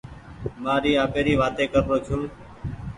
مآري آپيري وآتي ڪي رو ڇون.